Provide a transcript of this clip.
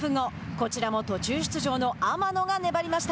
こちらも途中出場の天野が粘りました。